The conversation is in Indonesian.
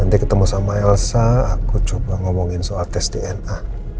nanti ketemu sama elsa aku coba ngomongin soal tes dna